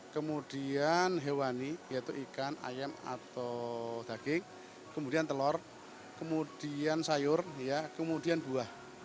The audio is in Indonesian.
kemudian hewani yaitu ikan ayam atau daging kemudian telur kemudian sayur kemudian buah